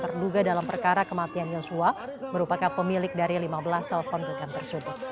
terduga dalam perkara kematian yosua merupakan pemilik dari lima belas telepon genggam tersebut